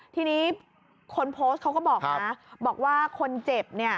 ทีนี้คนโพสต์เขาก็บอกนะบอกว่าคนเจ็บเนี่ย